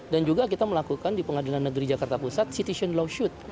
dan juga kita melakukan di pengadilan negeri jakarta pusat citizen law suit